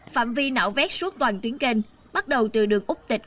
phạm vi nạo vét suốt toàn tuyến kênh bắt đầu từ đường úc tịch